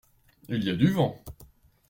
Il y a du vent.